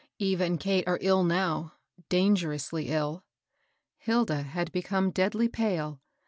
Eva and Kate are ill now, — dangerously ill." Hilda had become deadly pale.